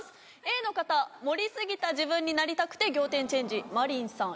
Ａの方「盛りすぎた自分になりたくて仰天チェンジ麻鈴さん１２７ｋｇ」。